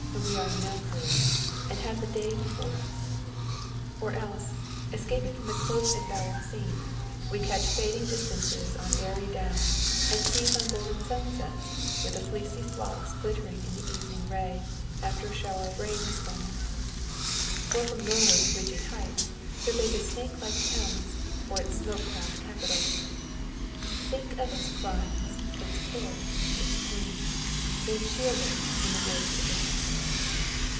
We are in no hurry, and have the day before us. Or else, escaping from the close embowered scene, we catch fading distances on airy downs, and seize on golden sunsets with* the fleecy flocks glittering in the evening ray, after a shower of rain has fallen. Or from Norwood's ridgy heights, survey the snake like Thames, or its smoke crowned capital ; Think of its crimes, its cares, its pain, Then shield us in the woods again.